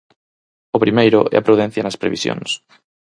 O primeiro é a prudencia nas previsións.